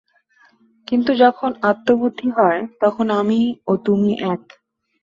কিন্তু যখন আত্মবুদ্ধি হয়, তখন আমি ও তুমি এক।